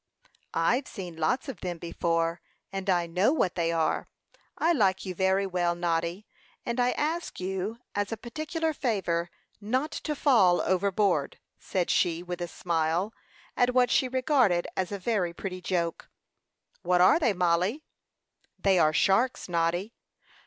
"I've seen lots of them before, and I know what they are. I like you very well, Noddy; and I ask you, as a particular favor, not to fall overboard," said she, with a smile, at what she regarded as a very pretty joke. "What are they, Mollie?" "They are sharks, Noddy."